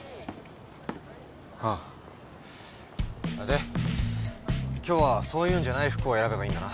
で今日はそういうんじゃない服を選べばいいんだな。